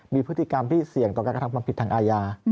มีพฤติกรรมที่เสี่ยงต่อการกระทำความผิดทางอาญา